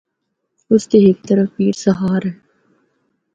اس دے ہک طرف ’پیر سہار‘ ہے۔